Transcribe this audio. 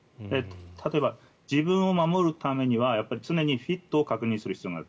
例えば自分を守るためには常にフィットを確認する必要がある。